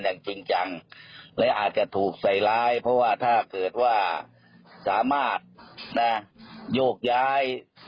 อย่างจริงจังและอาจจะถูกใส่ร้ายเพราะว่าถ้าเกิดว่าสามารถโยกย้าย